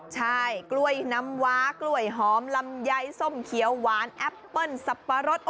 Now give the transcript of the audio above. ใช่กล้วยน้ำว้ากล้วยหอมลำไยส้มเขียวหวานแอปเปิ้ลสับปะรด